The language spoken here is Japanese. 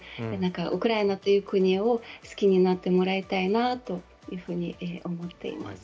ウクライナという国を好きになってもらいたいなというふうに思っています。